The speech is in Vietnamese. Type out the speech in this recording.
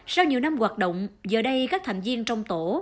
sau nhiều năm hoạt động giờ đây các thành viên trong tổ